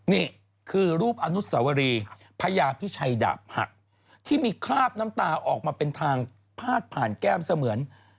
นี่คือรูปอนุสวรีพญาพิชัยดาบหักที่มีคราบน้ำตาออกมาเป็นทางพาดผ่านแก้มเสมือน